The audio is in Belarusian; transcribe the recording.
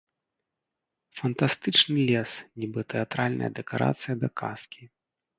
Фантастычны лес, нібы тэатральная дэкарацыя да казкі.